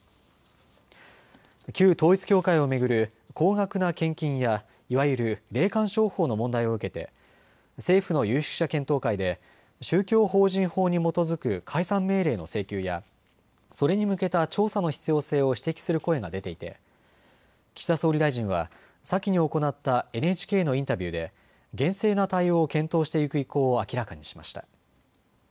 旧統一教会を巡る高額な献金やいわゆる霊感商法の問題を受けて政府の有識者検討会で宗教法人法に基づく解散命令の請求やそれに向けた調査の必要性を指摘する声が出ていて岸田総理大臣は先に行ったＮＨＫのインタビューで厳正な対応を検討していく意向を明らかにしました。